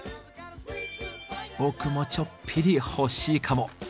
僕もちょっぴりほしいかも。